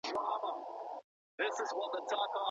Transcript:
کوم کسان بايد ازاد او خپلواک سي؟